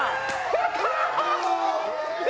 やったー！